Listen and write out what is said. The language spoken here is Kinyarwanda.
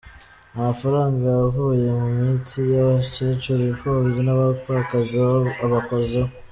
Amafaranga yavuye mu mitsi y’abakecuru, imfubyi n’abapfakazi abakozeho.